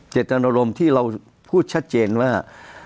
เจตนารมณ์ที่เราพูดชัดเจนว่า